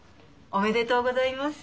ありがとうございます。